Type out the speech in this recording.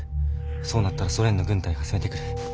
そうなったらソ連の軍隊が攻めてくる。